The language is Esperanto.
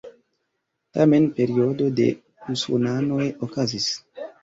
Tamen periodo de usonanoj okazis.